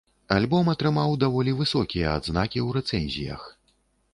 Альбом атрымаў даволі высокія адзнакі ў рэцэнзіях.